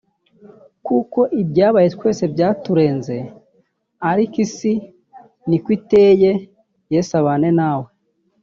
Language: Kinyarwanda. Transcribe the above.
kuko ibyabaye twese byaturenze ariko isi niko iteye Yesu abane nawe